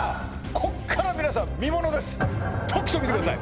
こっから皆さん見ものですとくと見てください